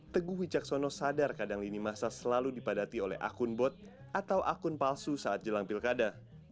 teguh wicaksono sadar kadang lini masa selalu dipadati oleh akun bot atau akun palsu saat jelang pilkada